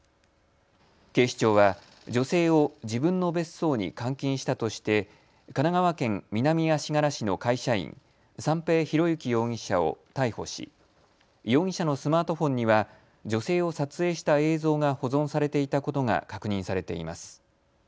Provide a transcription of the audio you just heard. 警視庁は女性を自分の別荘に監禁したとして神奈川県南足柄市の会社員、三瓶博幸容疑者を逮捕し容疑者のスマートフォンには女性を撮影した映像が保存されていたことが確認されています。